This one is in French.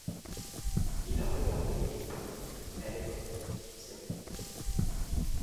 Il a regardé, et dit: elle est morte, c’est bon.